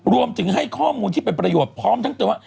รวมถึงให้ข้อมูลที่เป็นประโยชน์พร้อมทั้งเตือนว่า